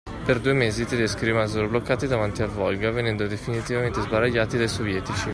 Per due mesi i tedeschi rimasero bloccati davanti al Volga venendo definitivamente sbaragliati dai sovietici.